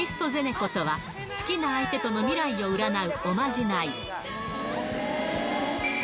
ことは、好きな相手との未来を占うおまじない。